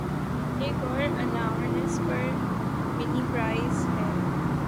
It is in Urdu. ایک اور اناؤنسر پدمنی پریرا ہیں۔